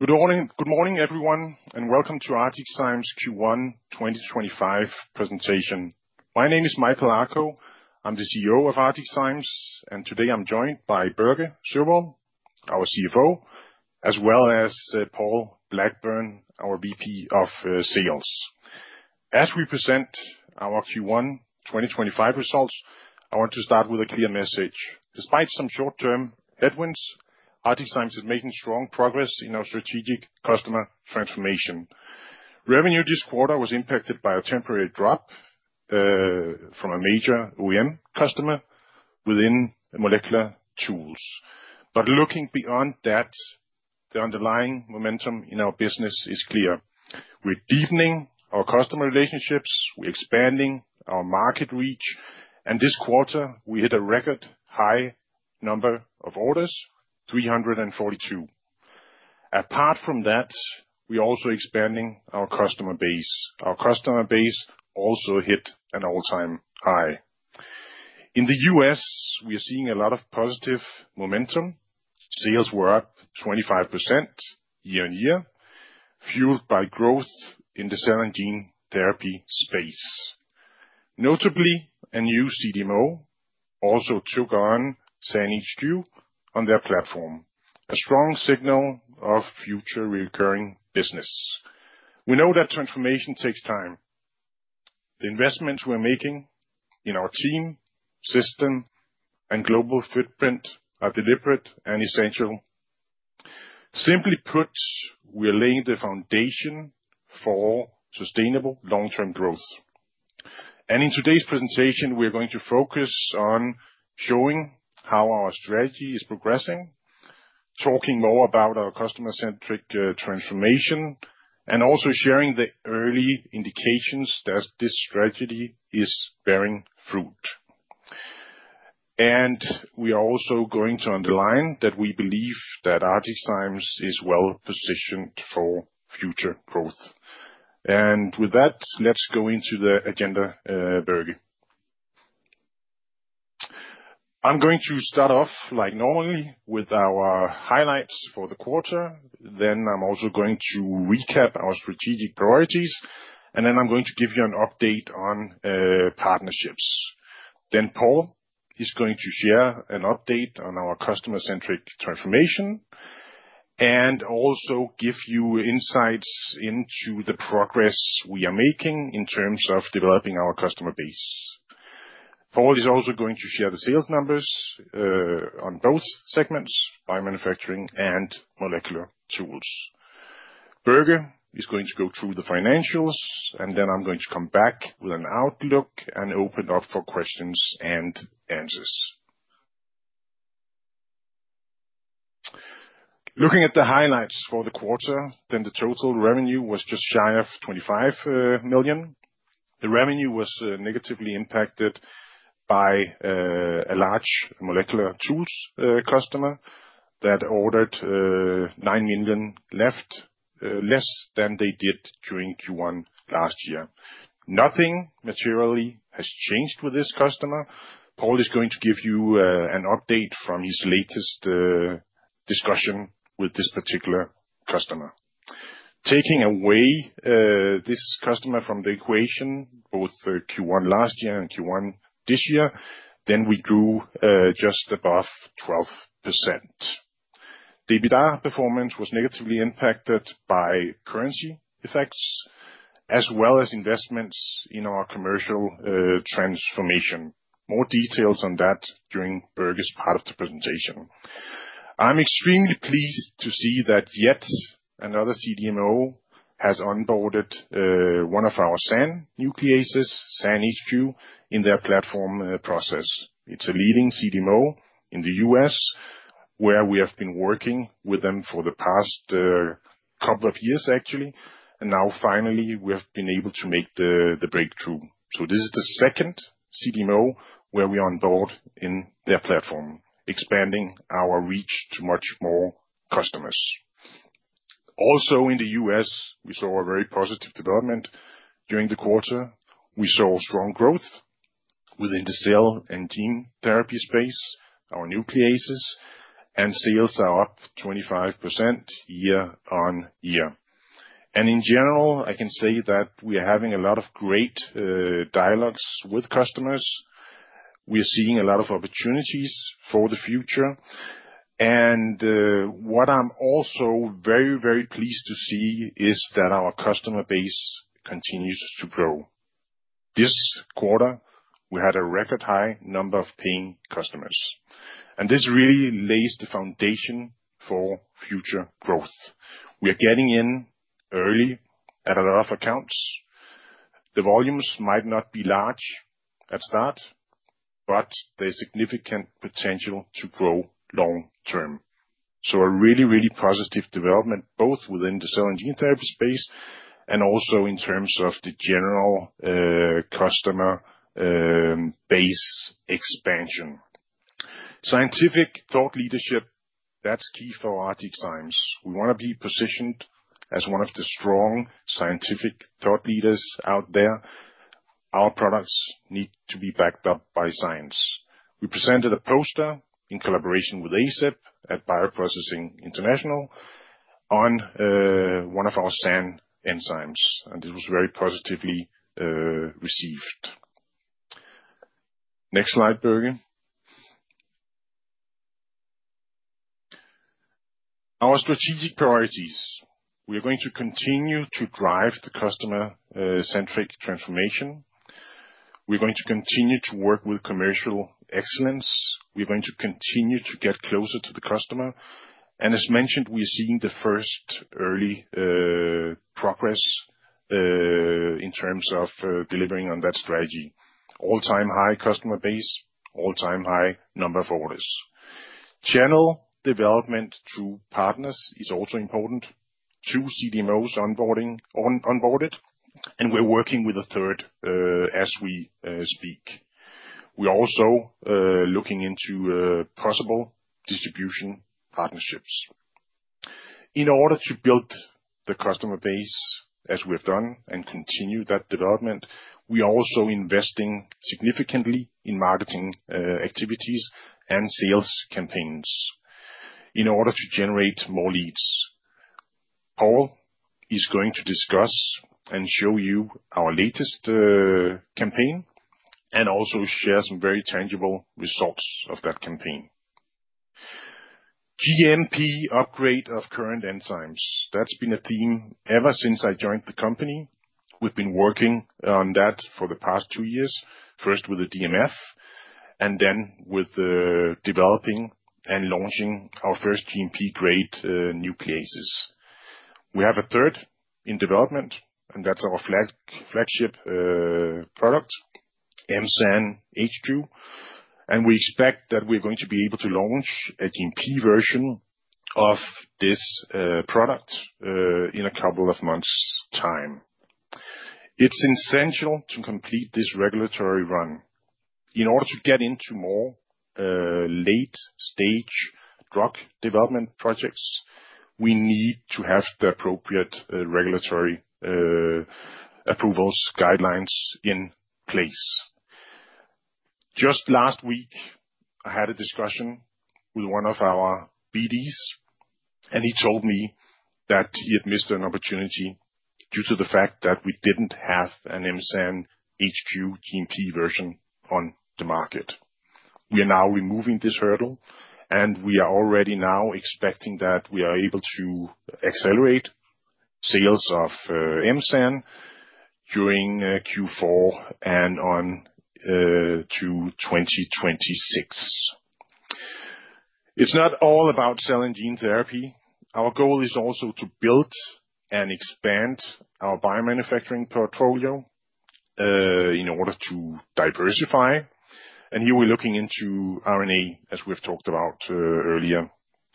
Good morning, good morning everyone, and welcome to ArcticZymes Q1 2025 presentation. My name is Michael Akoh, I'm the CEO of ArcticZymes, and today I'm joined by Børge Sørvoll, our CFO, as well as Paul Blackburn, our VP of Sales. As we present our Q1 2025 results, I want to start with a clear message. Despite some short-term headwinds, ArcticZymes is making strong progress in our strategic customer transformation. Revenue this quarter was impacted by a temporary drop from a major OEM customer within molecular tools. Looking beyond that, the underlying momentum in our business is clear. We're deepening our customer relationships, we're expanding our market reach, and this quarter we hit a record high number of orders, 342. Apart from that, we're also expanding our customer base. Our customer base also hit an all-time high. In the US, we are seeing a lot of positive momentum. Sales were up 25% year-on-year, fueled by growth in the cell and gene therapy space. Notably, a new CDMO also took on SAN HQ on their platform, a strong signal of future reoccurring business. We know that transformation takes time. The investments we're making in our team, system, and global footprint are deliberate and essential. Simply put, we're laying the foundation for sustainable long-term growth. In today's presentation, we're going to focus on showing how our strategy is progressing, talking more about our customer-centric transformation, and also sharing the early indications that this strategy is bearing fruit. We are also going to underline that we believe that ArcticZymes is well positioned for future growth. With that, let's go into the agenda, Børge. I'm going to start off like normally with our highlights for the quarter, then I'm also going to recap our strategic priorities, and then I'm going to give you an update on partnerships. Then Paul is going to share an update on our customer-centric transformation and also give you insights into the progress we are making in terms of developing our customer base. Paul is also going to share the sales numbers on both segments, biomanufacturing and molecular tools. Børge is going to go through the financials, and then I'm going to come back with an outlook and open up for questions and answers. Looking at the highlights for the quarter, then the total revenue was just shy of 25 million. The revenue was negatively impacted by a large molecular tools customer that ordered 9 million less than they did during Q1 last year. Nothing materially has changed with this customer. Paul is going to give you an update from his latest discussion with this particular customer. Taking away this customer from the equation, both Q1 last year and Q1 this year, then we grew just above 12%. The EBITDA performance was negatively impacted by currency effects as well as investments in our commercial transformation. More details on that during Børge's part of the presentation. I'm extremely pleased to see that yet another CDMO has onboarded one of our SAN nucleases, SAN HQ, in their platform process. It's a leading CDMO in the US where we have been working with them for the past couple of years, actually, and now finally we have been able to make the breakthrough. This is the second CDMO where we onboard in their platform, expanding our reach to much more customers. Also in the US, we saw a very positive development during the quarter. We saw strong growth within the cell and gene therapy space, our nucleases, and sales are up 25% year-on-year. In general, I can say that we are having a lot of great dialogues with customers. We are seeing a lot of opportunities for the future. What I am also very, very pleased to see is that our customer base continues to grow. This quarter, we had a record high number of paying customers. This really lays the foundation for future growth. We are getting in early at a lot of accounts. The volumes might not be large at start, but there is significant potential to grow long-term. A really, really positive development both within the cell and gene therapy space and also in terms of the general customer base expansion. Scientific thought leadership, that's key for ArcticZymes. We want to be positioned as one of the strong scientific thought leaders out there. Our products need to be backed up by science. We presented a poster in collaboration with ASEP at Bioprocessing International on one of our SAN enzymes, and this was very positively received. Next slide, Børge. Our strategic priorities. We are going to continue to drive the customer-centric transformation. We're going to continue to work with commercial excellence. We're going to continue to get closer to the customer. As mentioned, we are seeing the first early progress in terms of delivering on that strategy. All-time high customer base, all-time high number of orders. Channel development through partners is also important. Two CDMOs onboarded, and we're working with a third as we speak. We're also looking into possible distribution partnerships. In order to build the customer base, as we have done and continue that development, we are also investing significantly in marketing activities and sales campaigns in order to generate more leads. Paul is going to discuss and show you our latest campaign and also share some very tangible results of that campaign. GMP upgrade of current enzymes. That's been a theme ever since I joined the company. We've been working on that for the past two years, first with the DMF and then with developing and launching our first GMP-grade nucleases. We have a third in development, and that's our flagship product, M-SAN HQ, and we expect that we're going to be able to launch a GMP version of this product in a couple of months' time. It's essential to complete this regulatory run. In order to get into more late-stage drug development projects, we need to have the appropriate regulatory approvals guidelines in place. Just last week, I had a discussion with one of our BDs, and he told me that he had missed an opportunity due to the fact that we didn't have an M-SAN HQ GMP version on the market. We are now removing this hurdle, and we are already now expecting that we are able to accelerate sales of M-SAN during Q4 and on to 2026. It's not all about cell and gene therapy. Our goal is also to build and expand our biomanufacturing portfolio in order to diversify. Here we're looking into RNA, as we've talked about earlier.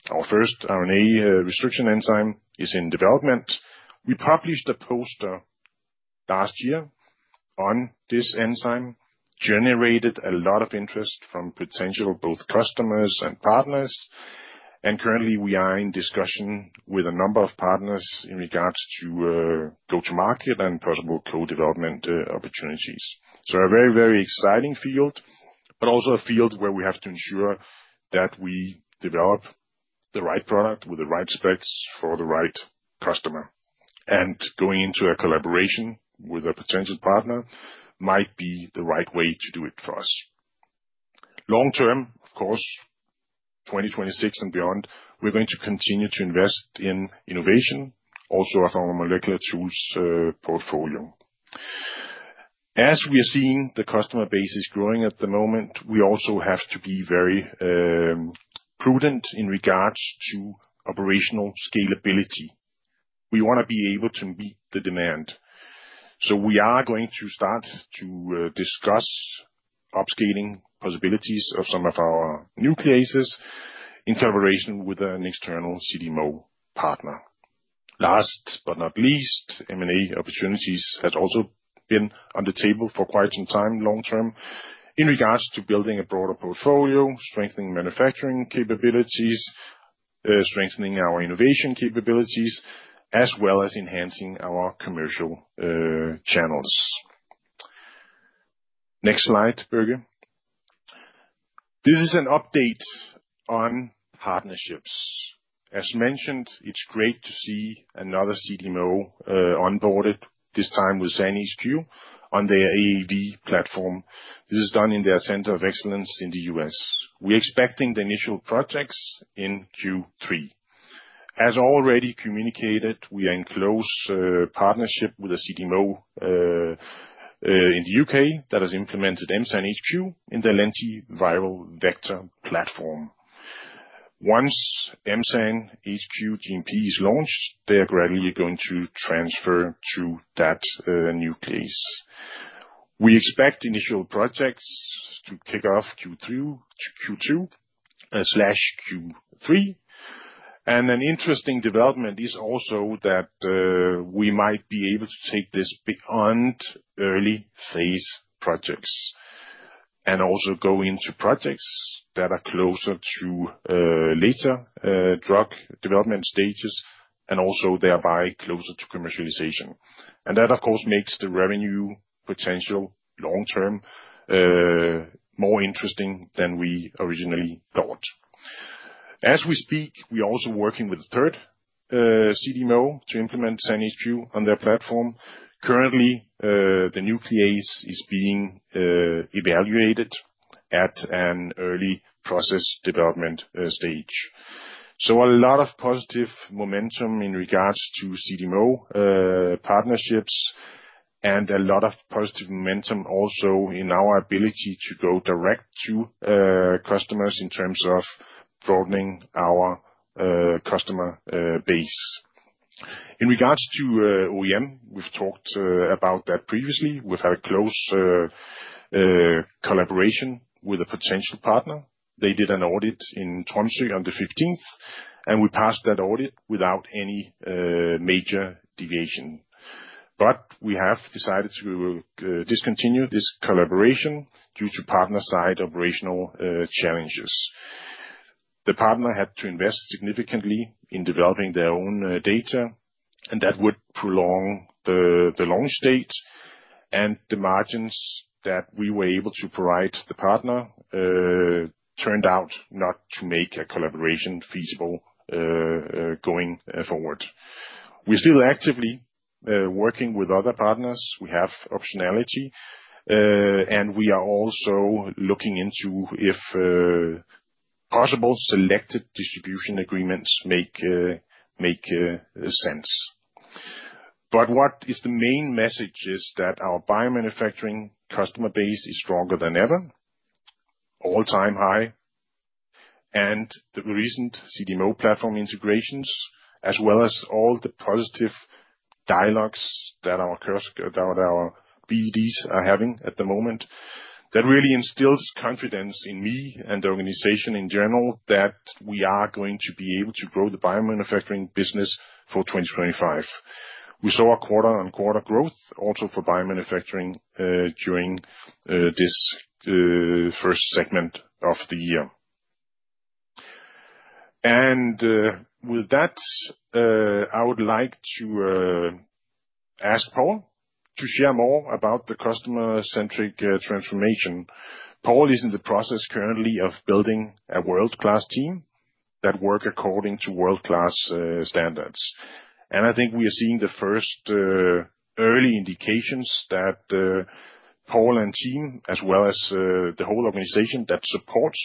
Our first RNA restriction enzyme is in development. We published a poster last year on this enzyme, generated a lot of interest from potential both customers and partners, and currently we are in discussion with a number of partners in regards to go-to-market and possible co-development opportunities. A very, very exciting field, but also a field where we have to ensure that we develop the right product with the right specs for the right customer. Going into a collaboration with a potential partner might be the right way to do it for us. Long-term, of course, 2026 and beyond, we're going to continue to invest in innovation, also of our molecular tools portfolio. As we are seeing the customer base is growing at the moment, we also have to be very prudent in regards to operational scalability. We want to be able to meet the demand. We are going to start to discuss upscaling possibilities of some of our nucleases in collaboration with an external CDMO partner. Last but not least, M&A opportunities have also been on the table for quite some time long-term in regards to building a broader portfolio, strengthening manufacturing capabilities, strengthening our innovation capabilities, as well as enhancing our commercial channels. Next slide, Børge. This is an update on partnerships. As mentioned, it's great to see another CDMO onboarded, this time with SAN HQ on their AAD platform. This is done in their center of excellence in the U.S. We are expecting the initial projects in Q3. As already communicated, we are in close partnership with a CDMO in the UK that has implemented M-SAN HQ in the lentiviral vector platform. Once M-SAN HQ GMP is launched, they are gradually going to transfer to that nuclease. We expect initial projects to kick off Q2/Q3. An interesting development is also that we might be able to take this beyond early phase projects and also go into projects that are closer to later drug development stages and also thereby closer to commercialization. That, of course, makes the revenue potential long-term more interesting than we originally thought. As we speak, we are also working with a third CDMO to implement SAN HQ on their platform. Currently, the nuclease is being evaluated at an early process development stage. A lot of positive momentum in regards to CDMO partnerships and a lot of positive momentum also in our ability to go direct to customers in terms of broadening our customer base. In regards to OEM, we've talked about that previously. We've had a close collaboration with a potential partner. They did an audit in Tromsø on the 15th, and we passed that audit without any major deviation. We have decided to discontinue this collaboration due to partner-side operational challenges. The partner had to invest significantly in developing their own data, and that would prolong the launch date. The margins that we were able to provide the partner turned out not to make a collaboration feasible going forward. We're still actively working with other partners. We have optionality, and we are also looking into if possible selected distribution agreements make sense. What is the main message is that our biomanufacturing customer base is stronger than ever, all-time high, and the recent CDMO platform integrations, as well as all the positive dialogues that our BDs are having at the moment, that really instills confidence in me and the organization in general that we are going to be able to grow the biomanufacturing business for 2025. We saw a quarter-on-quarter growth also for biomanufacturing during this first segment of the year. With that, I would like to ask Paul to share more about the customer-centric transformation. Paul is in the process currently of building a world-class team that works according to world-class standards. I think we are seeing the first early indications that Paul and team, as well as the whole organization that supports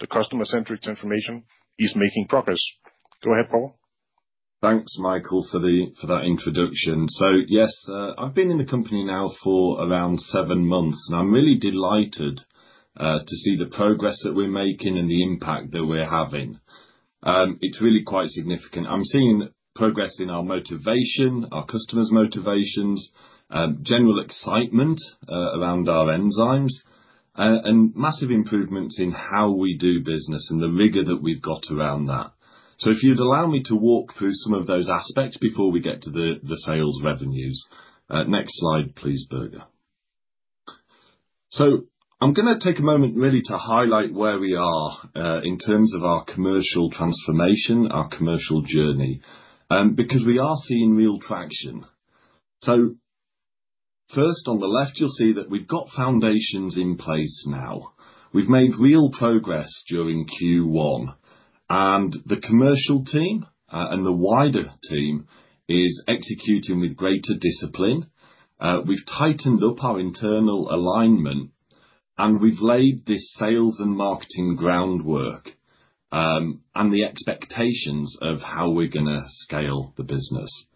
the customer-centric transformation, is making progress. Go ahead, Paul. Thanks, Michael, for that introduction. Yes, I've been in the company now for around seven months, and I'm really delighted to see the progress that we're making and the impact that we're having. It's really quite significant. I'm seeing progress in our motivation, our customers' motivations, general excitement around our enzymes, and massive improvements in how we do business and the rigor that we've got around that. If you'd allow me to walk through some of those aspects before we get to the sales revenues. Next slide, please, Børge. I'm going to take a moment really to highlight where we are in terms of our commercial transformation, our commercial journey, because we are seeing real traction. First, on the left, you'll see that we've got foundations in place now. We've made real progress during Q1, and the commercial team and the wider team is executing with greater discipline. We've tightened up our internal alignment, and we've laid this sales and marketing groundwork and the expectations of how we're going to scale the business.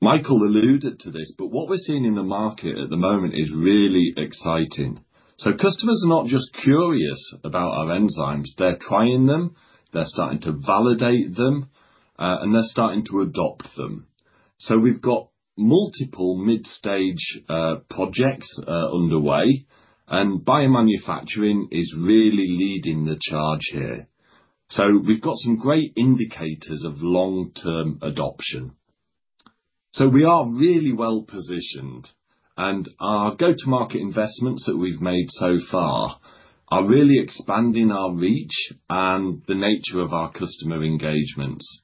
Michael alluded to this, but what we're seeing in the market at the moment is really exciting. Customers are not just curious about our enzymes. They're trying them. They're starting to validate them, and they're starting to adopt them. We've got multiple mid-stage projects underway, and biomanufacturing is really leading the charge here. We've got some great indicators of long-term adoption. We are really well positioned, and our go-to-market investments that we've made so far are really expanding our reach and the nature of our customer engagements.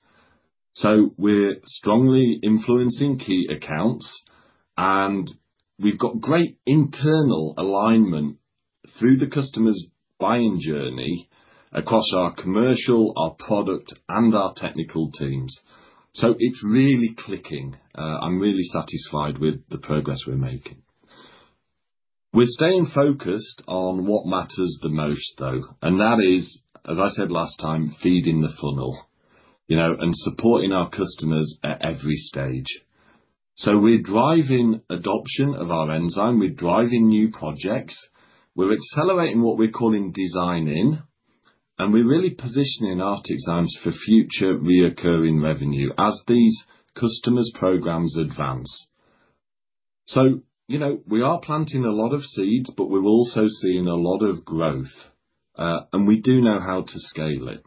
We're strongly influencing key accounts, and we've got great internal alignment through the customer's buying journey across our commercial, our product, and our technical teams. It's really clicking. I'm really satisfied with the progress we're making. We're staying focused on what matters the most, though, and that is, as I said last time, feeding the funnel and supporting our customers at every stage. We're driving adoption of our enzyme. We're driving new projects. We're accelerating what we're calling design in, and we're really positioning our exams for future reoccurring revenue as these customers' programs advance. We are planting a lot of seeds, but we're also seeing a lot of growth, and we do know how to scale it.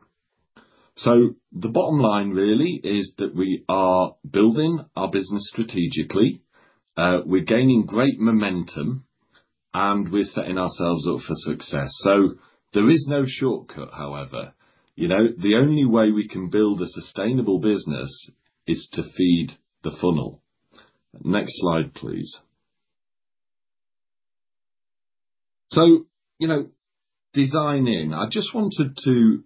The bottom line really is that we are building our business strategically. We're gaining great momentum, and we're setting ourselves up for success. There is no shortcut, however. The only way we can build a sustainable business is to feed the funnel. Next slide, please. Design in. I just wanted to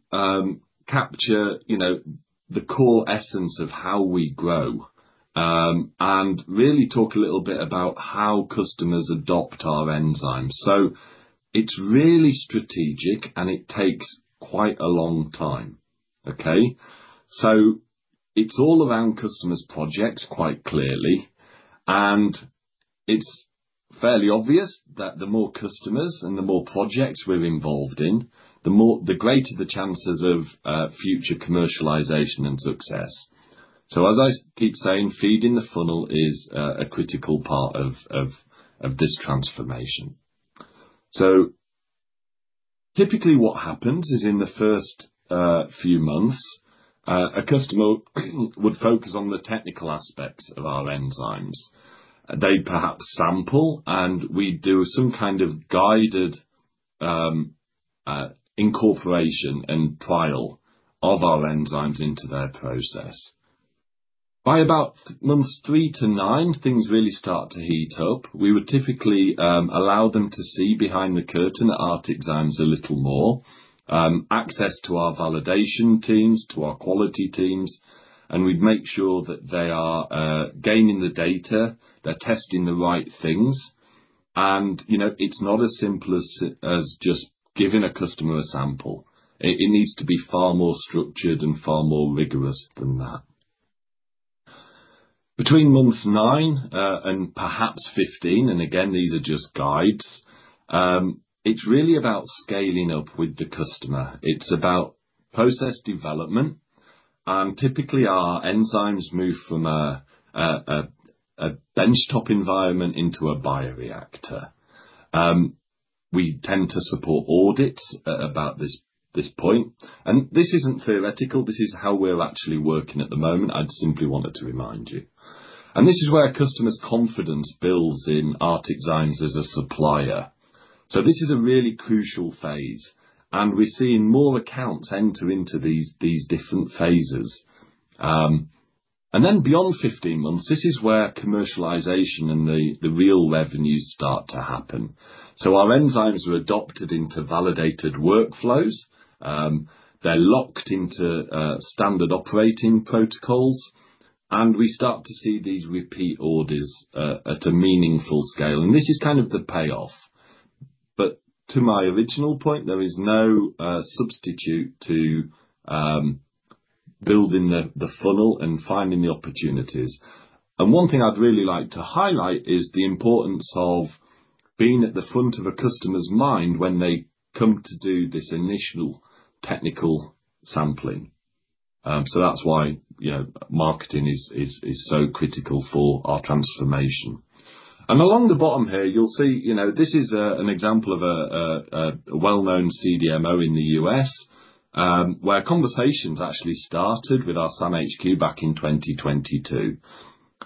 capture the core essence of how we grow and really talk a little bit about how customers adopt our enzymes. It's really strategic, and it takes quite a long time. Okay? It's all around customers' projects quite clearly, and it's fairly obvious that the more customers and the more projects we're involved in, the greater the chances of future commercialization and success. As I keep saying, feeding the funnel is a critical part of this transformation. Typically, what happens is in the first few months, a customer would focus on the technical aspects of our enzymes. They perhaps sample, and we do some kind of guided incorporation and trial of our enzymes into their process. By about months three to nine, things really start to heat up. We would typically allow them to see behind the curtain at ArcticZymes a little more, access to our validation teams, to our quality teams, and we'd make sure that they are gaining the data, they're testing the right things. It is not as simple as just giving a customer a sample. It needs to be far more structured and far more rigorous than that. Between months nine and perhaps 15, and again, these are just guides, it's really about scaling up with the customer. It's about process development. Typically, our enzymes move from a benchtop environment into a bioreactor. We tend to support audits about this point. And this isn't theoretical. This is how we're actually working at the moment. I'd simply wanted to remind you. This is where customers' confidence builds in ArcticZymes as a supplier. This is a really crucial phase, and we're seeing more accounts enter into these different phases. Beyond 15 months, this is where commercialization and the real revenues start to happen. Our enzymes were adopted into validated workflows. They're locked into standard operating protocols, and we start to see these repeat orders at a meaningful scale. This is kind of the payoff. To my original point, there is no substitute to building the funnel and finding the opportunities. One thing I'd really like to highlight is the importance of being at the front of a customer's mind when they come to do this initial technical sampling. That is why marketing is so critical for our transformation. Along the bottom here, you'll see this is an example of a well-known CDMO in the U.S. where conversations actually started with our SAN HQ back in 2022.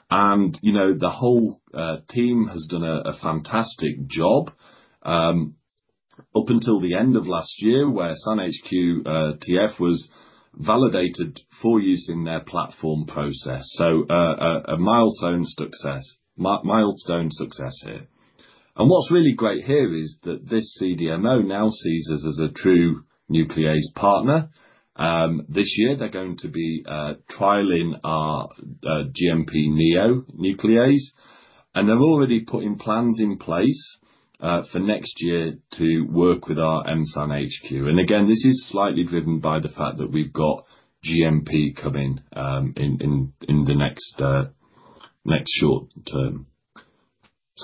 The whole team has done a fantastic job up until the end of last year where SAN HQ TF was validated for use in their platform process. A milestone success here. What's really great here is that this CDMO now sees us as a true nuclease partner. This year, they're going to be trialing our GMP Neo nuclease, and they're already putting plans in place for next year to work with our M-SAN HQ. Again, this is slightly driven by the fact that we've got GMP coming in the next short term.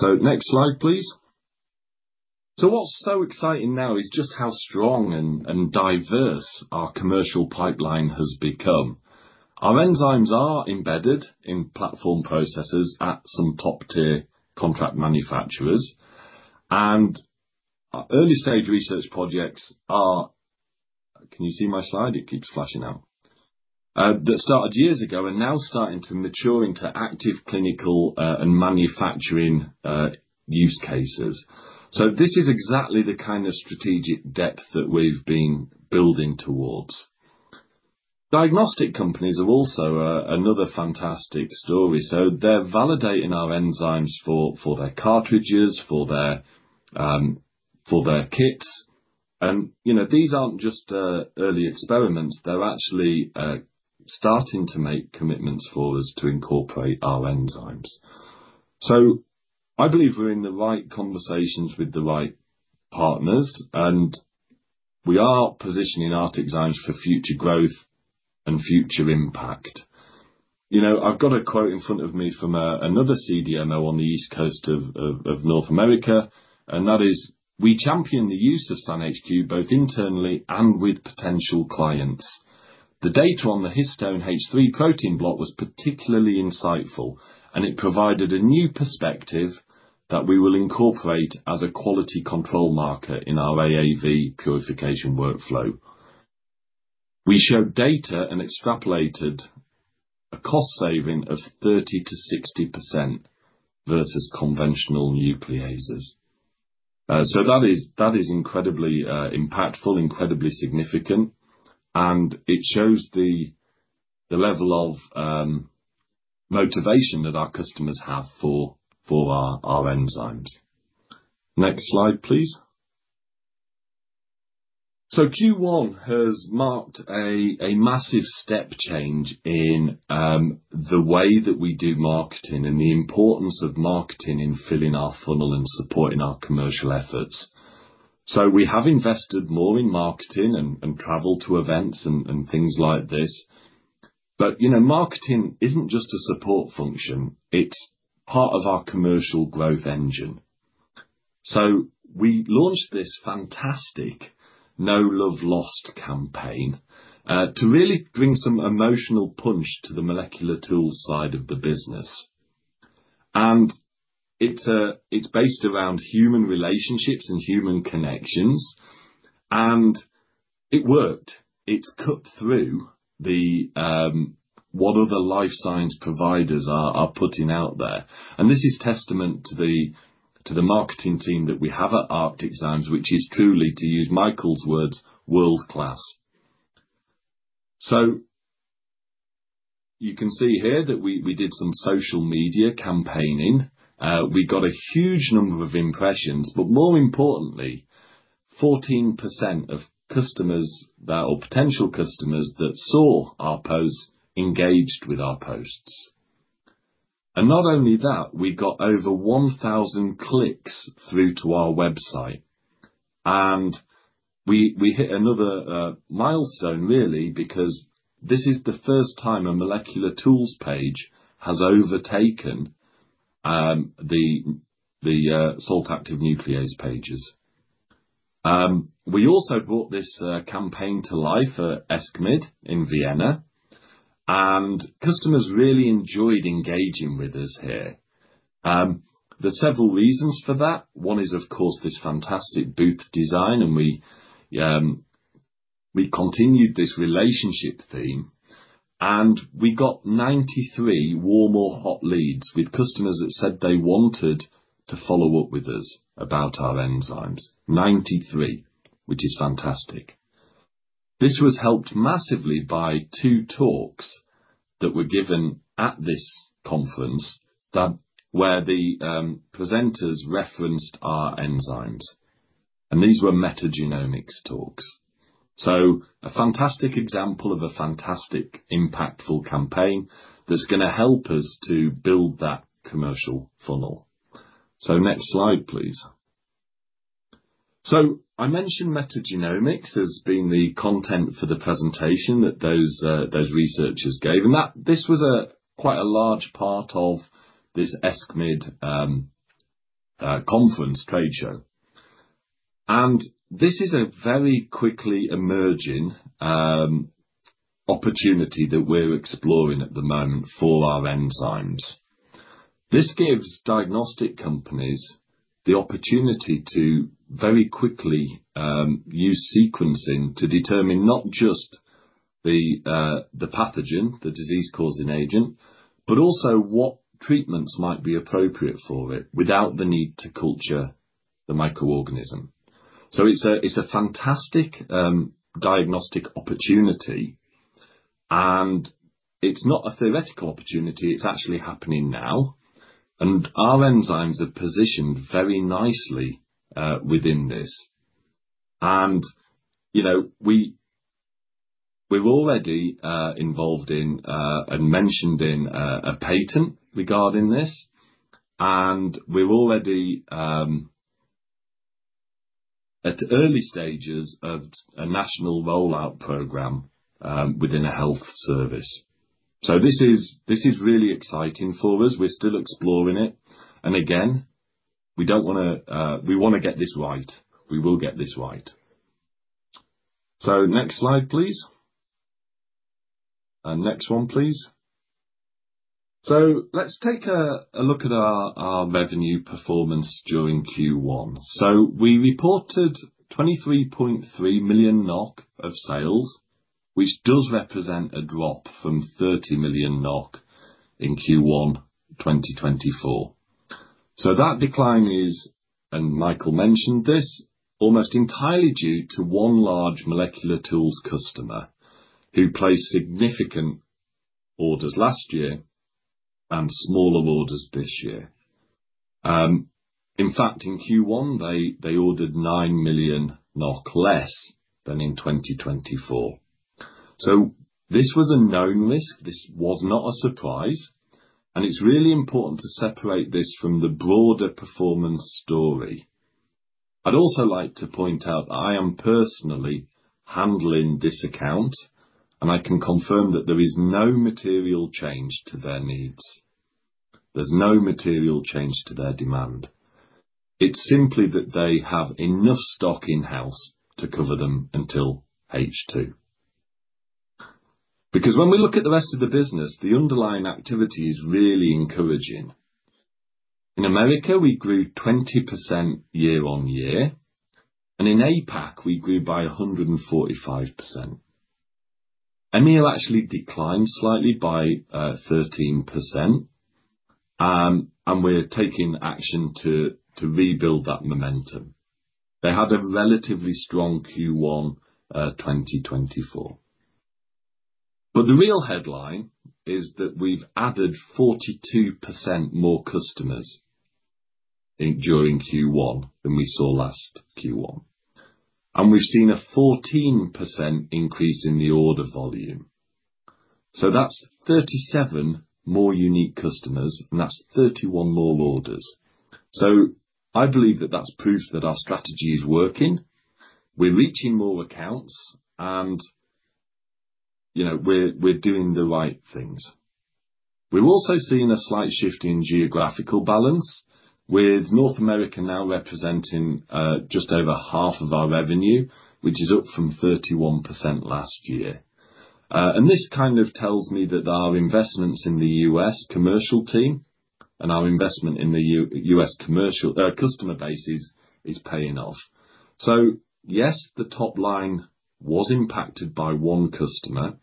Next slide, please. What's so exciting now is just how strong and diverse our commercial pipeline has become. Our enzymes are embedded in platform processes at some top-tier contract manufacturers. Early-stage research projects are—can you see my slide? It keeps flashing out—that started years ago and are now starting to mature into active clinical and manufacturing use cases. This is exactly the kind of strategic depth that we've been building towards. Diagnostic companies are also another fantastic story. They're validating our enzymes for their cartridges, for their kits. These aren't just early experiments. They're actually starting to make commitments for us to incorporate our enzymes. I believe we're in the right conversations with the right partners, and we are positioning ArcticZymes for future growth and future impact. I've got a quote in front of me from another CDMO on the east coast of North America, and that is, "We champion the use of SAN HQ both internally and with potential clients. The data on the Histone H3 protein block was particularly insightful, and it provided a new perspective that we will incorporate as a quality control marker in our AAV purification workflow. We showed data and extrapolated a cost saving of 30%-60% versus conventional nucleases." That is incredibly impactful, incredibly significant, and it shows the level of motivation that our customers have for our enzymes. Next slide, please. Q1 has marked a massive step change in the way that we do marketing and the importance of marketing in filling our funnel and supporting our commercial efforts. We have invested more in marketing and travel to events and things like this. Marketing is not just a support function. It is part of our commercial growth engine. We launched this fantastic No Love Lost campaign to really bring some emotional punch to the molecular tools side of the business. It is based around human relationships and human connections, and it worked. It has cut through what other life science providers are putting out there. This is testament to the marketing team that we have at ArcticZymes, which is truly, to use Michael's words, world-class. You can see here that we did some social media campaigning. We got a huge number of impressions, but more importantly, 14% of customers or potential customers that saw our posts engaged with our posts. Not only that, we got over 1,000 clicks through to our website. We hit another milestone, really, because this is the first time a molecular tools page has overtaken the Salt-Active Nuclease pages. We also brought this campaign to life at ESCMID in Vienna, and customers really enjoyed engaging with us here. There are several reasons for that. One is, of course, this fantastic booth design, and we continued this relationship theme. We got 93 warm or hot leads with customers that said they wanted to follow up with us about our enzymes. Ninety-three, which is fantastic. This was helped massively by two talks that were given at this conference where the presenters referenced our enzymes. These were metagenomics talks. A fantastic example of a fantastic, impactful campaign that's going to help us to build that commercial funnel. Next slide, please. I mentioned metagenomics as being the content for the presentation that those researchers gave. This was quite a large part of this ESCMID conference trade show. This is a very quickly emerging opportunity that we're exploring at the moment for our enzymes. This gives diagnostic companies the opportunity to very quickly use sequencing to determine not just the pathogen, the disease-causing agent, but also what treatments might be appropriate for it without the need to culture the microorganism. It's a fantastic diagnostic opportunity. It's not a theoretical opportunity. It's actually happening now. Our enzymes are positioned very nicely within this. We've already involved in and mentioned in a patent regarding this. We're already at early stages of a national rollout program within a health service. This is really exciting for us. We're still exploring it. Again, we do not want to—we want to get this right. We will get this right. Next slide, please. Next one, please. Let's take a look at our revenue performance during Q1. We reported 23.3 million NOK of sales, which does represent a drop from 30 million NOK in Q1 2024. That decline is—and Michael mentioned this—almost entirely due to one large molecular tools customer who placed significant orders last year and smaller orders this year. In fact, in Q1, they ordered 9 million NOK less than in 2024. This was a known risk. This was not a surprise. It's really important to separate this from the broader performance story. I'd also like to point out that I am personally handling this account, and I can confirm that there is no material change to their needs. There's no material change to their demand. It's simply that they have enough stock in-house to cover them until H2. Because when we look at the rest of the business, the underlying activity is really encouraging. In America, we grew 20% year-on-year. In APAC, we grew by 145%. MEL actually declined slightly by 13%. We are taking action to rebuild that momentum. They had a relatively strong Q1 2024. The real headline is that we've added 42% more customers during Q1 than we saw last Q1. We've seen a 14% increase in the order volume. That's 37 more unique customers, and that's 31 more orders. I believe that that's proof that our strategy is working. We're reaching more accounts, and we're doing the right things. We're also seeing a slight shift in geographical balance, with North America now representing just over half of our revenue, which is up from 31% last year. This kind of tells me that our investments in the U.S. commercial team and our investment in the U.S. customer base is paying off. Yes, the top line was impacted by one customer,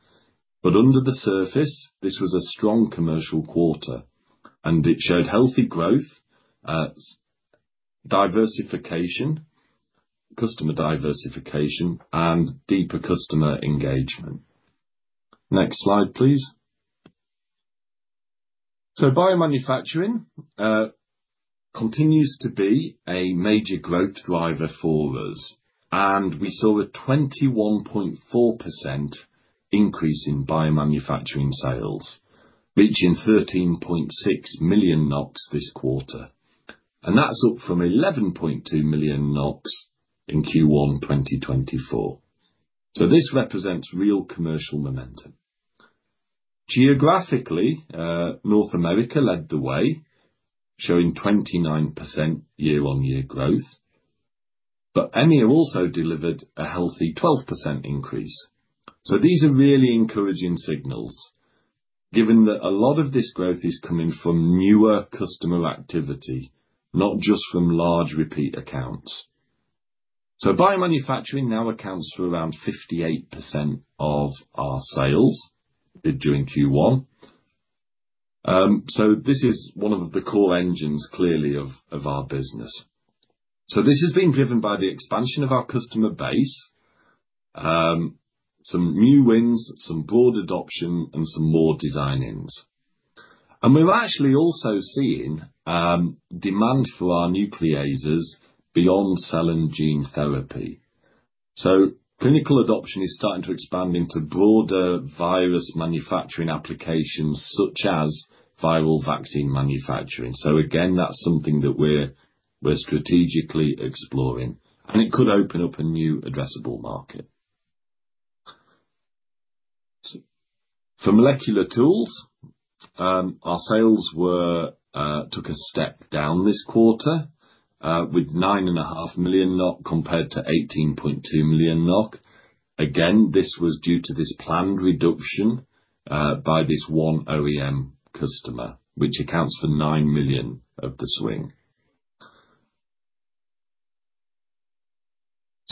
but under the surface, this was a strong commercial quarter. It showed healthy growth, diversification, customer diversification, and deeper customer engagement. Next slide, please. Biomanufacturing continues to be a major growth driver for us. We saw a 21.4% increase in biomanufacturing sales, reaching 13.6 million NOK this quarter. That's up from 11.2 million NOK in Q1 2024. This represents real commercial momentum. Geographically, North America led the way, showing 29% year-on-year growth. MEL also delivered a healthy 12% increase. These are really encouraging signals, given that a lot of this growth is coming from newer customer activity, not just from large repeat accounts. Biomanufacturing now accounts for around 58% of our sales during Q1. This is one of the core engines, clearly, of our business. This has been driven by the expansion of our customer base, some new wins, some broad adoption, and some more design-ins. We're actually also seeing demand for our nucleases beyond cell and gene therapy. Clinical adoption is starting to expand into broader virus manufacturing applications such as viral vaccine manufacturing. That's something that we're strategically exploring. It could open up a new addressable market. For molecular tools, our sales took a step down this quarter with 9.5 million NOK compared to 18.2 million NOK. Again, this was due to this planned reduction by this one OEM customer, which accounts for 9 million of the swing.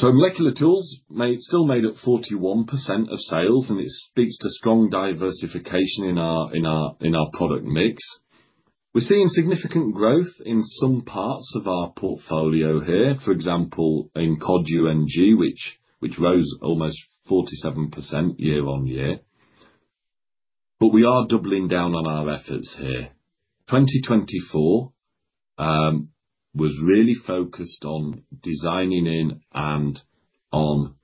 Molecular tools still made up 41% of sales, and it speaks to strong diversification in our product mix. We're seeing significant growth in some parts of our portfolio here, for example, in Cod UNG, which rose almost 47% year-on-year. We are doubling down on our efforts here. 2024 was really focused on designing in and on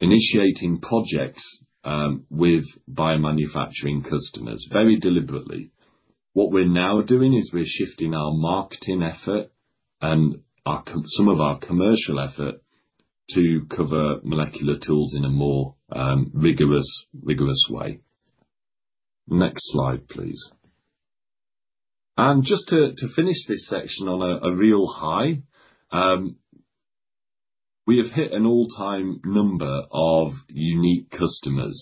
initiating projects with biomanufacturing customers, very deliberately. What we're now doing is we're shifting our marketing effort and some of our commercial effort to cover molecular tools in a more rigorous way. Next slide, please. Just to finish this section on a real high, we have hit an all-time number of unique customers.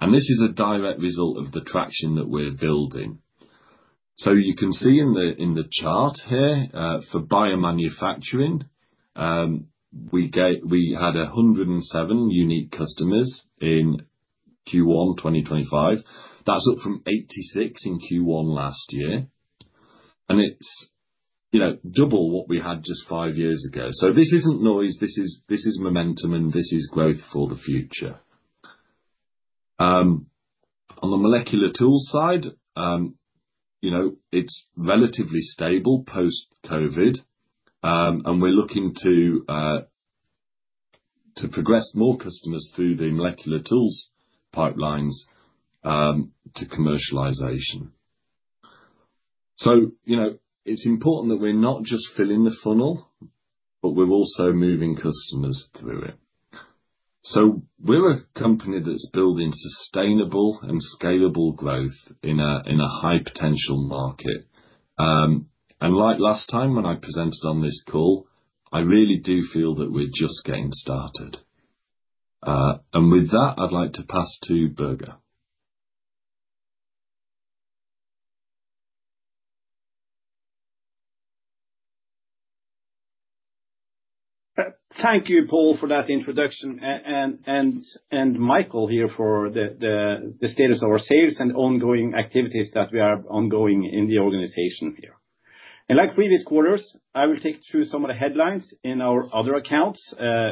This is a direct result of the traction that we're building. You can see in the chart here, for biomanufacturing, we had 107 unique customers in Q1 2025. That is up from 86 in Q1 last year. It is double what we had just five years ago. This is not noise. This is momentum, and this is growth for the future. On the molecular tools side, it is relatively stable post-COVID. We are looking to progress more customers through the molecular tools pipelines to commercialization. It is important that we are not just filling the funnel, but we are also moving customers through it. We are a company that is building sustainable and scalable growth in a high-potential market. Like last time when I presented on this call, I really do feel that we are just getting started. With that, I would like to pass to Børge. Thank you, Paul, for that introduction. Michael here for the status of our sales and ongoing activities that we are ongoing in the organization here. Like previous quarters, I will take you through some of the headlines in our other accounts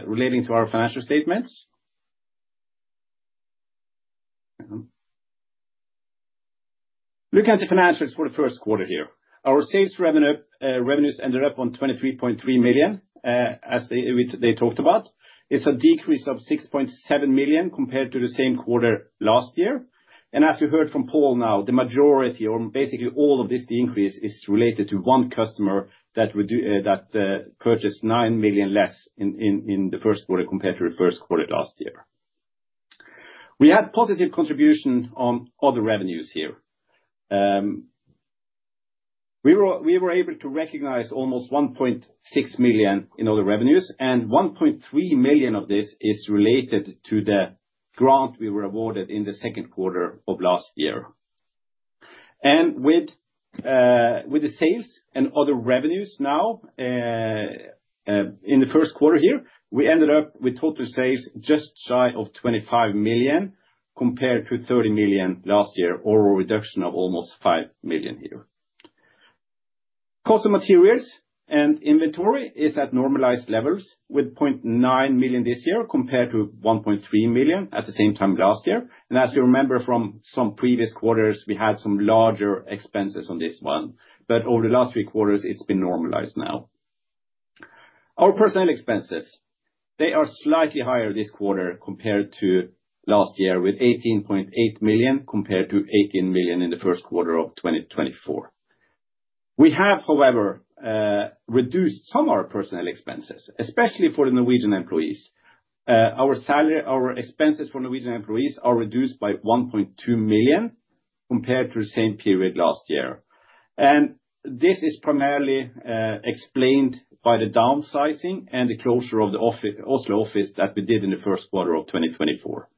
relating to our financial statements. Looking at the financials for the first quarter here, our sales revenues ended up on 23.3 million, as they talked about. It is a decrease of 6.7 million compared to the same quarter last year. As you heard from Paul now, the majority, or basically all of this, the decrease is related to one customer that purchased 9 million less in the first quarter compared to the first quarter last year. We had positive contribution on other revenues here. We were able to recognize almost 1.6 million in other revenues. 1.3 million of this is related to the grant we were awarded in the second quarter of last year. With the sales and other revenues now, in the first quarter here, we ended up with total sales just shy of 25 million compared to 30 million last year, or a reduction of almost 5 million here. Cost of materials and inventory is at normalized levels with 0.9 million this year compared to 1.3 million at the same time last year. As you remember from some previous quarters, we had some larger expenses on this one. Over the last three quarters, it has been normalized now. Our personnel expenses are slightly higher this quarter compared to last year with 18.8 million compared to 18 million in the first quarter of 2024. We have, however, reduced some of our personnel expenses, especially for the Norwegian employees. Our expenses for Norwegian employees are reduced by 1.2 million compared to the same period last year. This is primarily explained by the downsizing and the closure of the Oslo office that we did in the first quarter of 2024.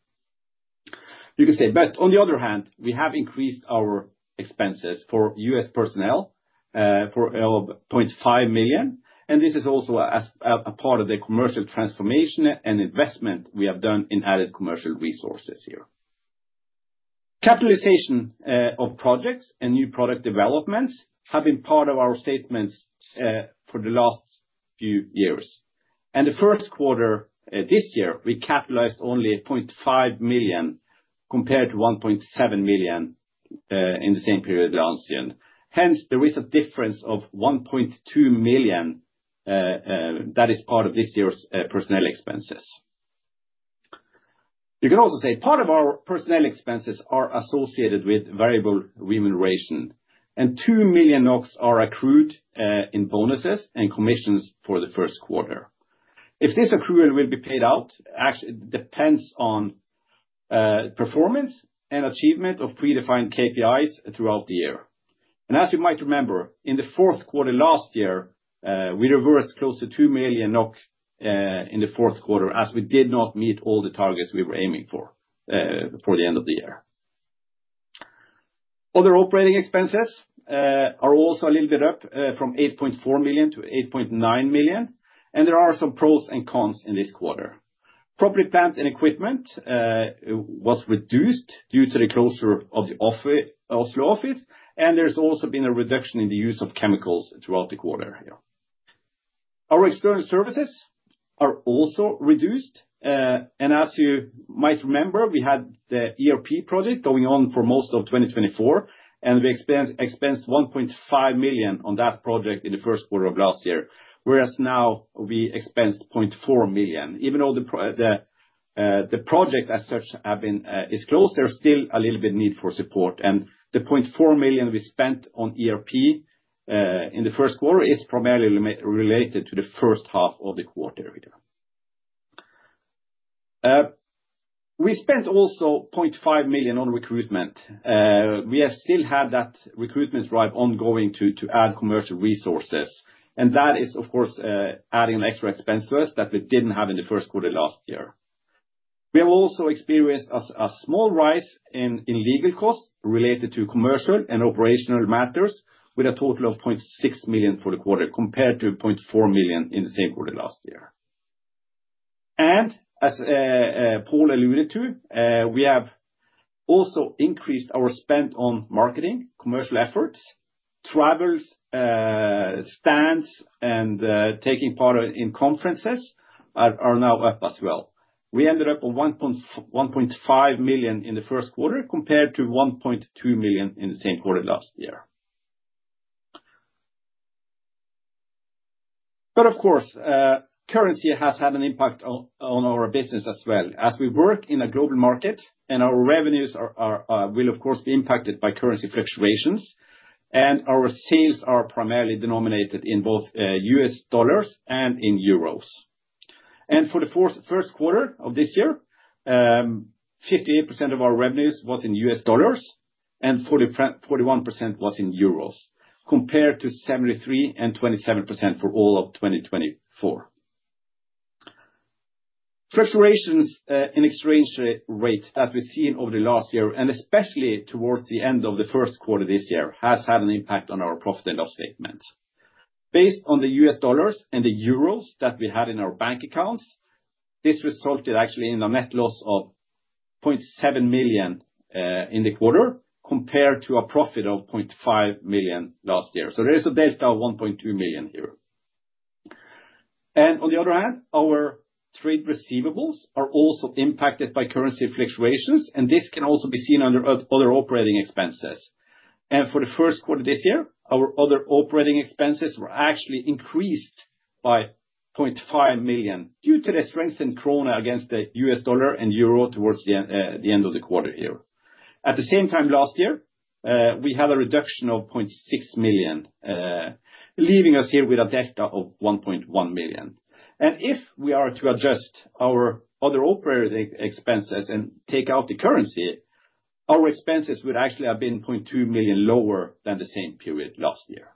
You can say, on the other hand, we have increased our expenses for U.S. personnel by 0.5 million. This is also a part of the commercial transformation and investment we have done in added commercial resources here. Capitalization of projects and new product developments have been part of our statements for the last few years. In the first quarter this year, we capitalized only 0.5 million compared to 1.7 million in the same period last year. Hence, there is a difference of 1.2 million that is part of this year's personnel expenses. You can also say part of our personnel expenses are associated with variable remuneration. 2 million are accrued in bonuses and commissions for the first quarter. If this accrual will be paid out, actually, it depends on performance and achievement of predefined KPIs throughout the year. As you might remember, in the fourth quarter last year, we reversed close to 2 million NOK in the fourth quarter as we did not meet all the targets we were aiming for for the end of the year. Other operating expenses are also a little bit up from 8.4 million to 8.9 million. There are some pros and cons in this quarter. Property, plant, and equipment was reduced due to the closure of the Oslo office. There has also been a reduction in the use of chemicals throughout the quarter here. Our external services are also reduced. As you might remember, we had the ERP project going on for most of 2024. We expensed 1.5 million on that project in the first quarter of last year, whereas now we expensed 0.4 million. Even though the project as such is closed, there is still a little bit of need for support. The 0.4 million we spent on ERP in the first quarter is primarily related to the first half of the quarter here. We spent also 0.5 million on recruitment. We have still had that recruitment drive ongoing to add commercial resources. That is, of course, adding an extra expense to us that we did not have in the first quarter last year. We have also experienced a small rise in legal costs related to commercial and operational matters with a total of 0.6 million for the quarter compared to 0.4 million in the same quarter last year. As Paul alluded to, we have also increased our spend on marketing, commercial efforts, travels, stands, and taking part in conferences are now up as well. We ended up on 1.5 million in the first quarter compared to 1.2 million in the same quarter last year. Of course, currency has had an impact on our business as well. We work in a global market, and our revenues will, of course, be impacted by currency fluctuations. Our sales are primarily denominated in both U.S. dollars and in Euros. For the first quarter of this year, 58% of our revenues was in U.S. dollars, and 41% was in Euros compared to 73% and 27% for all of 2024. Fluctuations in exchange rate that we've seen over the last year, and especially towards the end of the first quarter this year, have had an impact on our profit and loss statements. Based on the US dollars and the euros that we had in our bank accounts, this resulted actually in a net loss of 0.7 million in the quarter compared to a profit of 0.5 million last year. There is a delta of 1.2 million here. On the other hand, our trade receivables are also impacted by currency fluctuations. This can also be seen under other operating expenses. For the first quarter this year, our other operating expenses were actually increased by 0.5 million due to the strengthened Krone against the US dollar and Euro towards the end of the quarter here. At the same time last year, we had a reduction of 0.6 million, leaving us here with a delta of 1.1 million. If we are to adjust our other operating expenses and take out the currency, our expenses would actually have been 0.2 million lower than the same period last year.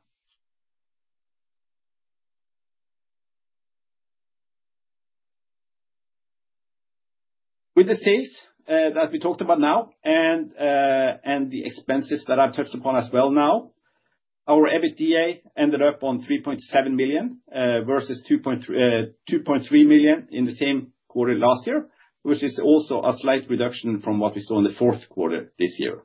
With the sales that we talked about now and the expenses that I've touched upon as well now, our EBITDA ended up on 3.7 million versus 2.3 million in the same quarter last year, which is also a slight reduction from what we saw in the fourth quarter this year.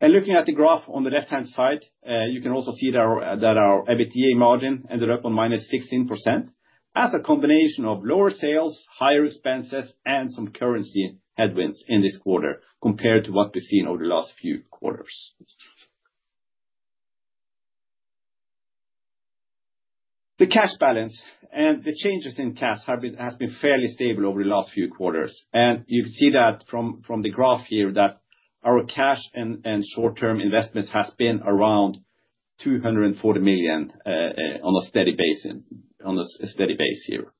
Looking at the graph on the left-hand side, you can also see that our EBITDA margin ended up on minus 16% as a combination of lower sales, higher expenses, and some currency headwinds in this quarter compared to what we've seen over the last few quarters. The cash balance and the changes in cash have been fairly stable over the last few quarters. You can see that from the graph here that our cash and short-term investments have been around 240 million on a steady basis here.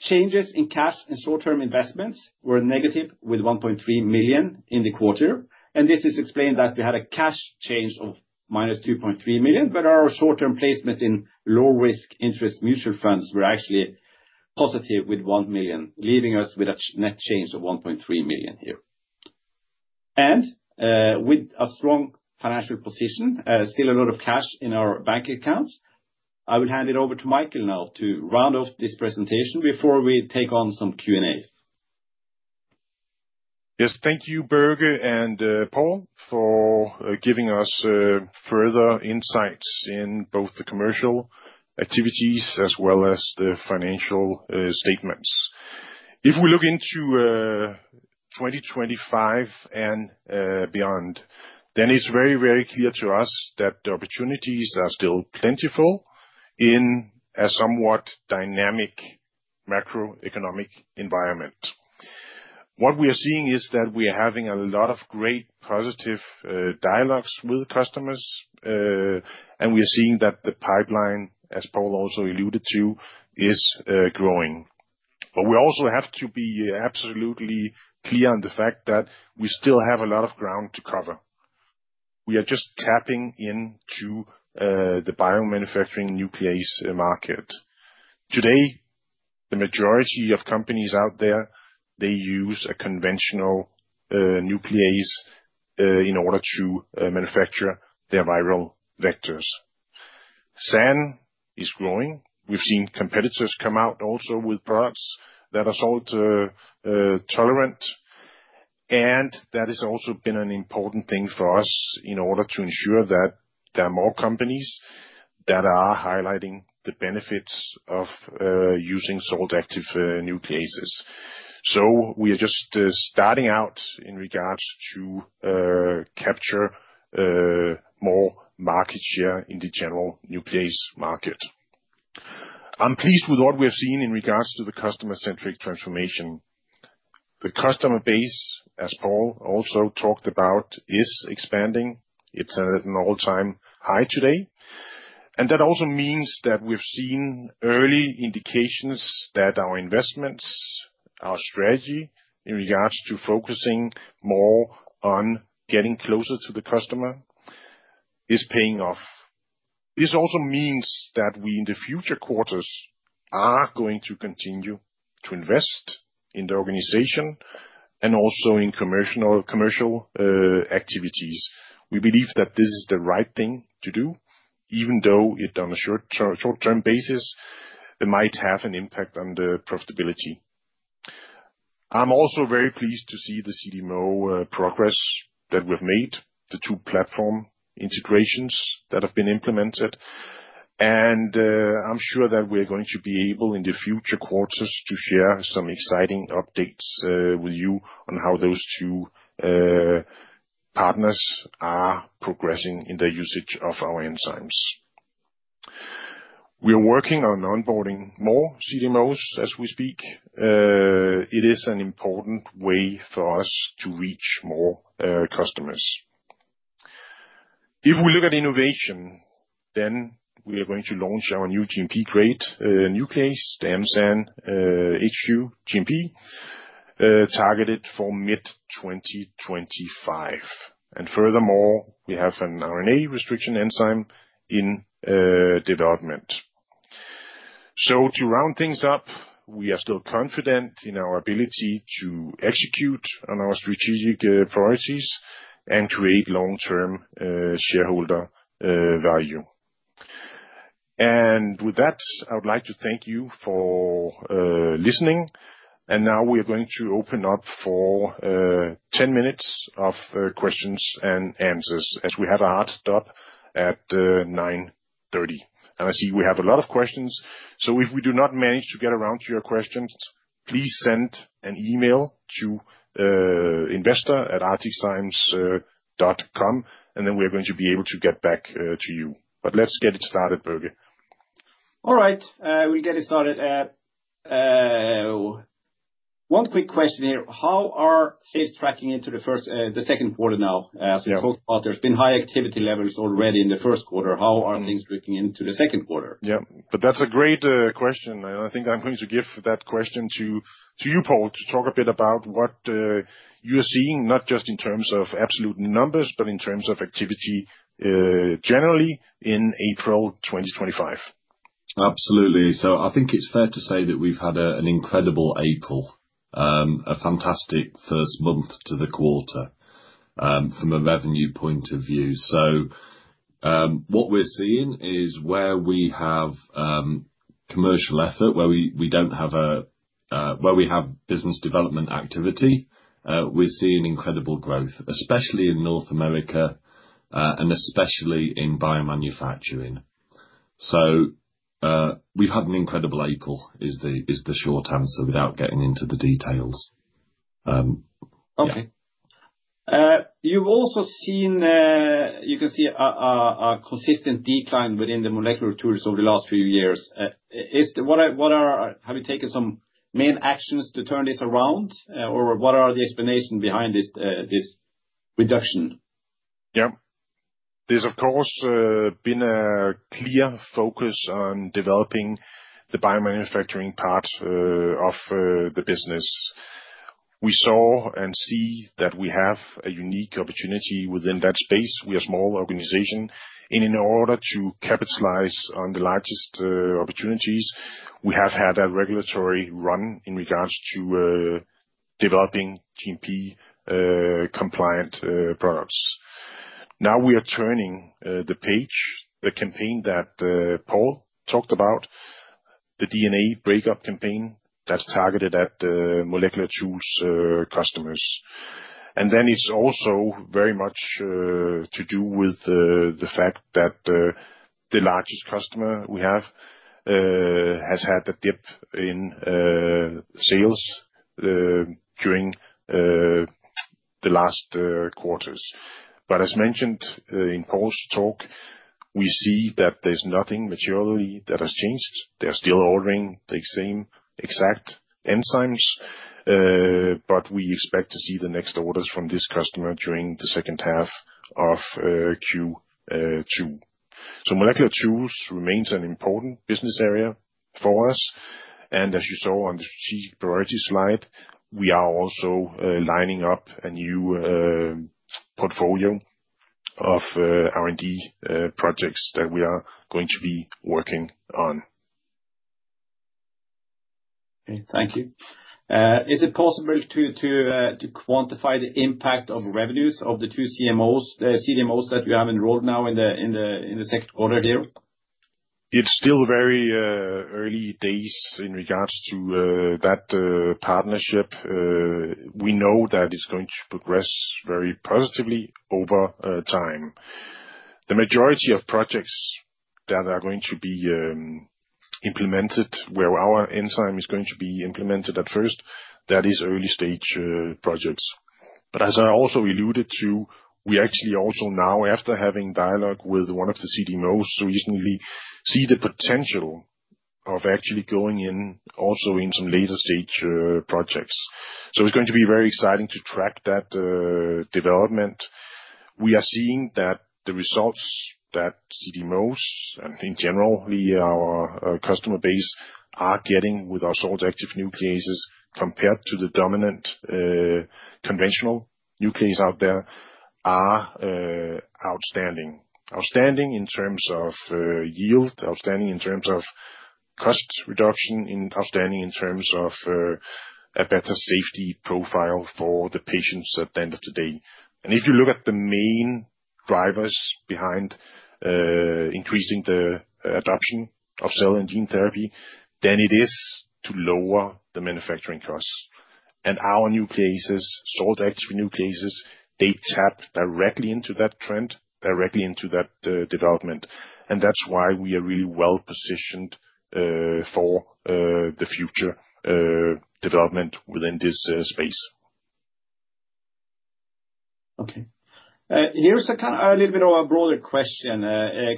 Changes in cash and short-term investments were negative with 1.3 million in the quarter. This is explained that we had a cash change of minus 2.3 million, but our short-term placements in low-risk interest mutual funds were actually positive with 1 million, leaving us with a net change of 1.3 million here. With a strong financial position, still a lot of cash in our bank accounts, I will hand it over to Michael now to round off this presentation before we take on some Q&A. Yes, thank you, Børge and Paul, for giving us further insights in both the commercial activities as well as the financial statements. If we look into 2025 and beyond, then it is very, very clear to us that the opportunities are still plentiful in a somewhat dynamic macroeconomic environment. What we are seeing is that we are having a lot of great positive dialogues with customers. We are seeing that the pipeline, as Paul also alluded to, is growing. We also have to be absolutely clear on the fact that we still have a lot of ground to cover. We are just tapping into the biomanufacturing nuclease market. Today, the majority of companies out there use a conventional nuclease in order to manufacture their viral vectors. SAN is growing. We have seen competitors come out also with products that are salt tolerant. That has also been an important thing for us in order to ensure that there are more companies that are highlighting the benefits of using Salt-Active Nucleases. We are just starting out in regards to capture more market share in the general nuclease market. I'm pleased with what we have seen in regards to the customer-centric transformation. The customer base, as Paul also talked about, is expanding. It's at an all-time high today. That also means that we've seen early indications that our investments, our strategy in regards to focusing more on getting closer to the customer is paying off. This also means that we in the future quarters are going to continue to invest in the organization and also in commercial activities. We believe that this is the right thing to do, even though on a short-term basis, it might have an impact on the profitability. I'm also very pleased to see the CDMO progress that we've made, the two platform integrations that have been implemented. I'm sure that we're going to be able in future quarters to share some exciting updates with you on how those two partners are progressing in the usage of our enzymes. We are working on onboarding more CDMOs as we speak. It is an important way for us to reach more customers. If we look at innovation, then we are going to launch our new GMP-grade nuclease, the M-SAN HQ GMP, targeted for mid-2025. Furthermore, we have an RNA restriction enzyme in development. To round things up, we are still confident in our ability to execute on our strategic priorities and create long-term shareholder value. With that, I would like to thank you for listening. Now we are going to open up for 10 minutes of questions and answers as we had our hard stop at 9:30 A.M. I see we have a lot of questions. If we do not manage to get around to your questions, please send an email to investor@arcticzymes.com, and we are going to be able to get back to you. Let's get it started, Børge. All right. We'll get it started. One quick question here. How are sales tracking into the second quarter now? As we talked about, there's been high activity levels already in the first quarter. How are things looking into the second quarter? Yeah, that's a great question. I think I'm going to give that question to you, Paul, to talk a bit about what you're seeing, not just in terms of absolute numbers, but in terms of activity generally in April 2025. Absolutely. I think it's fair to say that we've had an incredible April, a fantastic first month to the quarter from a revenue point of view. What we're seeing is where we have commercial effort, where we have business development activity, we're seeing incredible growth, especially in North America and especially in biomanufacturing. We've had an incredible April is the short answer without getting into the details. Okay. You've also seen you can see a consistent decline within the molecular tools over the last few years. Have you taken some main actions to turn this around, or what are the explanations behind this reduction? Yeah. There's, of course, been a clear focus on developing the biomanufacturing part of the business. We saw and see that we have a unique opportunity within that space. We are a small organization. In order to capitalize on the largest opportunities, we have had a regulatory run in regards to developing GMP-compliant products. Now we are turning the page, the campaign that Paul talked about, the DNA breakup campaign that's targeted at molecular tools customers. It is also very much to do with the fact that the largest customer we have has had a dip in sales during the last quarters. As mentioned in Paul's talk, we see that there's nothing materially that has changed. They're still ordering the same exact enzymes, but we expect to see the next orders from this customer during the second half of Q2. Molecular tools remains an important business area for us. As you saw on the strategic priority slide, we are also lining up a new portfolio of R&D projects that we are going to be working on. Okay. Thank you. Is it possble to quantify the impact on revenues of the two CDMOs that you have enrolled now in the second quarter here? It is still very early days in regards to that partnership. We know that it is going to progress very positively over time. The majority of projects that are going to be implemented, where our enzyme is going to be implemented at first, that is early-stage projects. As I also alluded to, we actually also now, after having dialogue with one of the CDMOs, recently see the potential of actually going in also in some later-stage projects. It's going to be very exciting to track that development. We are seeing that the results that CDMOs and, in general, our customer base are getting with our Salt-Active Nucleases compared to the dominant conventional nuclease out there are outstanding. Outstanding in terms of yield, outstanding in terms of cost reduction, and outstanding in terms of a better safety profile for the patients at the end of the day. If you look at the main drivers behind increasing the adoption of cell and gene therapy, then it is to lower the manufacturing costs. Our nucleases, Salt-Active Nucleases, tap directly into that trend, directly into that development. That's why we are really well-positioned for the future development within this space. Okay. Here's a little bit of a broader question.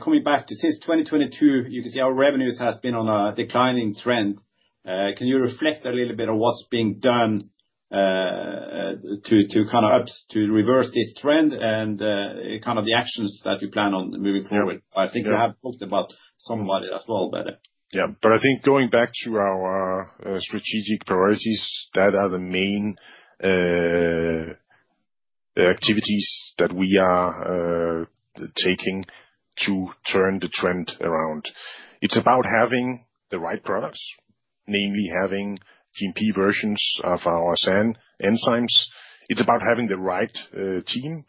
Coming back to since 2022, you can see our revenues have been on a declining trend. Can you reflect a little bit on what's being done to kind of reverse this trend and kind of the actions that you plan on moving forward? I think you have talked about somewhat as well. Yeah. I think going back to our strategic priorities, that are the main activities that we are taking to turn the trend around. It's about having the right products, namely having GMP versions of our SAN enzymes. It's about having the right team.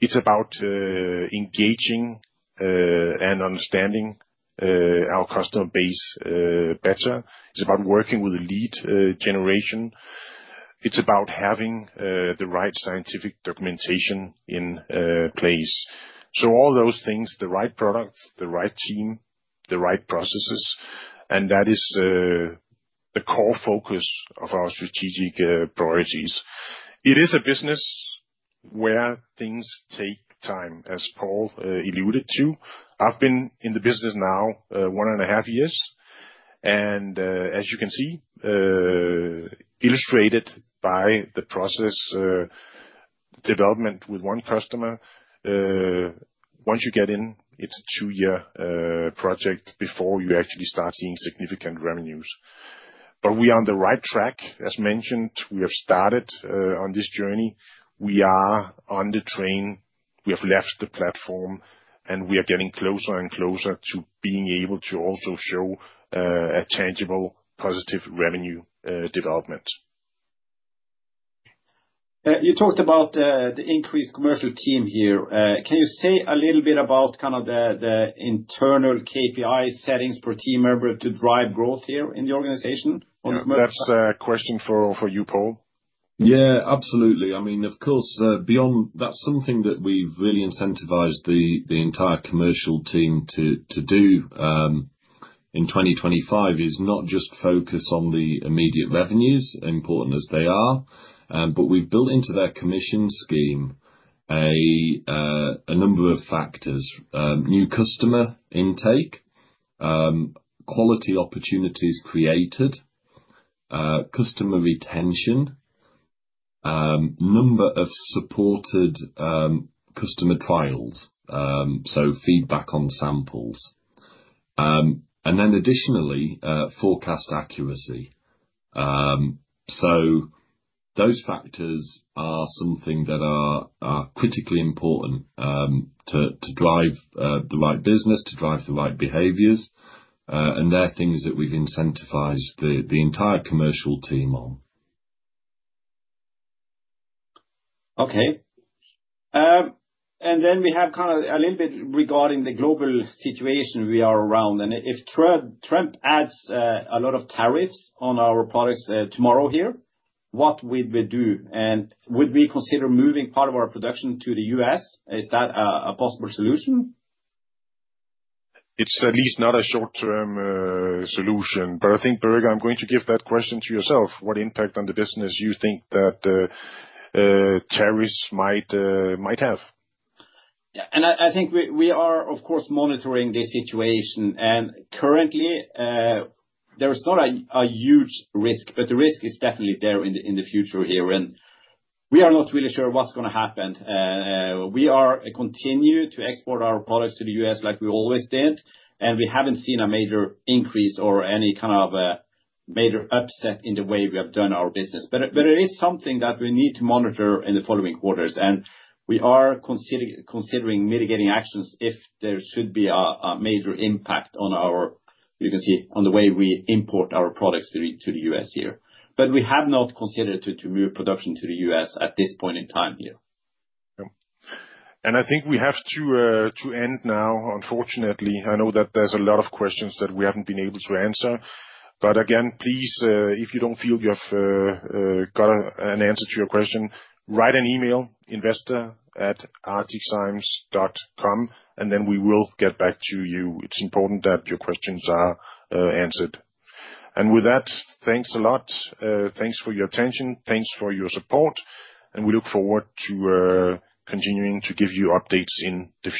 It's about engaging and understanding our customer base better. It's about working with lead generation. It's about having the right scientific documentation in place. All those things, the right products, the right team, the right processes, and that is the core focus of our strategic priorities. It is a business where things take time, as Paul alluded to. I've been in the business now one and a half years. As you can see, illustrated by the process development with one customer, once you get in, it's a two-year project before you actually start seeing significant revenues. We are on the right track. As mentioned, we have started on this journey. We are on the train. We have left the platform, and we are getting closer and closer to being able to also show a tangible positive revenue development. You talked about the increased commercial team here. Can you say a little bit about kind of the internal KPI settings for team members to drive growth here in the organization? That's a question for you, Paul. Yeah, absolutely. I mean, of course, that's something that we've really incentivized the entire commercial team to do in 2025 is not just focus on the immediate revenues, important as they are, but we've built into that commission scheme a number of factors: new customer intake, quality opportunities created, customer retention, number of supported customer trials, feedback on samples, and then additionally, forecast accuracy. Those factors are something that are critically important to drive the right business, to drive the right behaviors. There are things that we've incentivized the entire commercial team on. Okay. We have kind of a little bit regarding the global situation we are around. If Trump adds a lot of tariffs on our products tomorrow here, what would we do? Would we consider moving part of our production to the U.S.? Is that a possible solution? It's at least not a short-term solution. I think, Børge, I'm going to give that question to yourself. What impact on the business do you think that tariffs might have? Yeah. I think we are, of course, monitoring this situation. Currently, there's not a huge risk, but the risk is definitely there in the future here. We are not really sure what's going to happen. We continue to export our products to the U.S. like we always did. We haven't seen a major increase or any kind of major upset in the way we have done our business. It is something that we need to monitor in the following quarters. We are considering mitigating actions if there should be a major impact on our—you can see on the way we import our products to the U.S. here. We have not considered to move production to the U.S. at this point in time here. I think we have to end now, unfortunately. I know that there's a lot of questions that we haven't been able to answer. If you don't feel you've got an answer to your question, write an email, investor@arcticzymes.com, and we will get back to you. It's important that your questions are answered. With that, thanks a lot. Thanks for your attention. Thanks for your support. We look forward to continuing to give you updates in different.